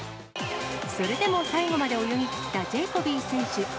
それでも最後まで泳ぎきったジェイコビー選手。